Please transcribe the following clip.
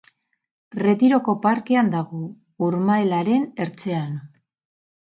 Retiroko parkean dago, urmaelaren ertzean.